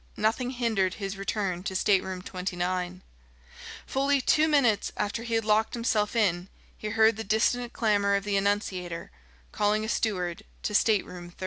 Nothing hindered his return to Stateroom 29. Fully two minutes after he had locked himself in he heard the distant clamour of the annunciator, calling a steward to Stateroom 30.